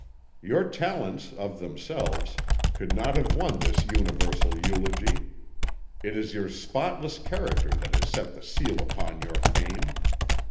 Your talents, of themselves, could not have won this universal eulogy; it is your spotless character that has set the seal upon your fame.